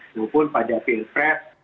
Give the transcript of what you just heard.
maupun pada pilkrat